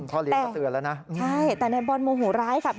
เลี้ยงก็เตือนแล้วนะใช่แต่นายบอลโมโหร้ายค่ะ